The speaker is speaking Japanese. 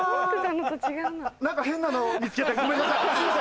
何か変なの見つけてごめんなさい。